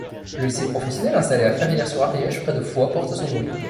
Le Lycée professionnel installé à Ferrières-sur-Ariège, près de Foix, porte son nom.